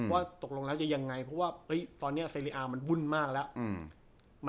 ว่าตกลงแล้วจะยังไงเพราะว่าตอนนี้เซรีอาร์มันวุ่นมากแล้ว